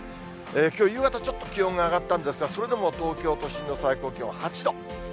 きょう、夕方、ちょっと気温が上がったんですが、それでも東京都心の最高気温は８度。